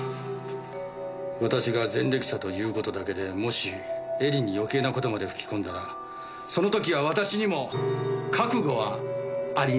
私が前歴者という事だけでもし絵里に余計な事まで吹き込んだらその時は私にも覚悟はありますから。